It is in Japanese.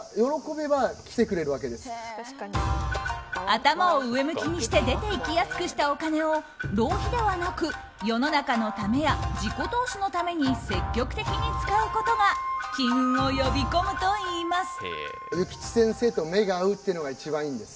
頭を上向きにして出て行きやすくしたお金を浪費ではなく世の中のためや自己投資のために積極的に使うことが金運を呼び込むといいます。